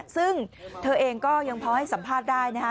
ซึ่งเธอเองก็ยังพอให้สัมภาษณ์ได้นะคะ